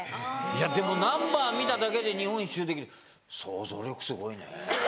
でもナンバー見ただけで日本一周できる想像力すごいね。